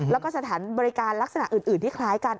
แล้วก็สถานบริการลักษณะอื่นที่คล้ายกัน